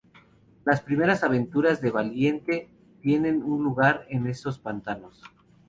Las primeras aventuras de Valiente tienen lugar en estos pantanos.